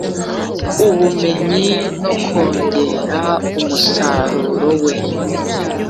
ubumenyi no kongera umusaruro we